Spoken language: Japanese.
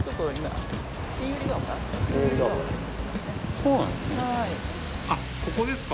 そうなんですね。